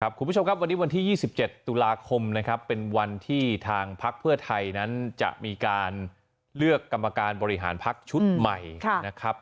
คุณผู้ชมครับวันนี้วันที่๒๗ตุลาคมนะครับเป็นวันที่ทางพักเพื่อไทยนั้นจะมีการเลือกกรรมการบริหารพักชุดใหม่นะครับ